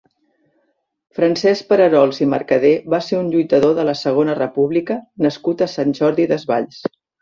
Francesc Pararols i Mercader va ser un lluitador de la Segona República nascut a Sant Jordi Desvalls.